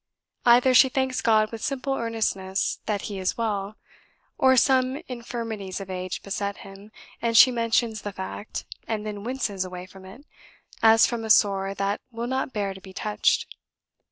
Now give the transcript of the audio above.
Either she thanks God with simple earnestness that he is well, or some infirmities of age beset him, and she mentions the fact, and then winces away from it, as from a sore that will not bear to be touched.